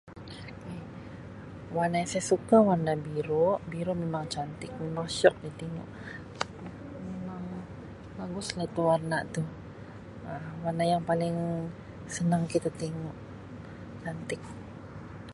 [unintelligible] Warna yang saya suka warna biru. Biru memang cantik, memang syiok ditengok [unintelligible] memang baguslah tu warna tu, Um warna yang paling senang kita tengok, cantik.